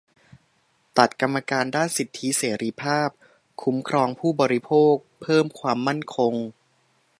ตัดกรรมการด้านสิทธิเสรีภาพ-คุ้มครองผู้บริโภค เพิ่มความมั่นคง